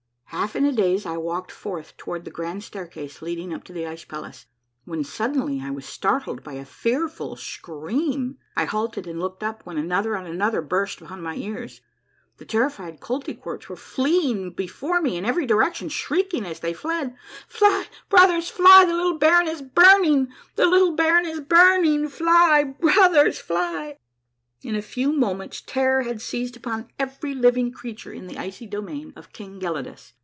Half in a daze I walked forth toward the grand staircase leading up to the ice palace, when suddenly I was startled by a fearful scream. I halted and looked up, when another and another burst upon my ears. The terrified Koltykwerps were fleeing before me in every direction, shrieking as they fled, —" Fly, fly, brothers, the little br.ron is burning, the little baron is burning, fly, brothers, fly !" In a few moments terror had seized upon every living creature in the icy domain of King Gelidus.